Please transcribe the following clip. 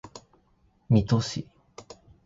水戸市